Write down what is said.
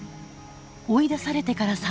追い出されてから３週間。